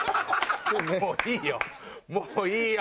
もういいよ！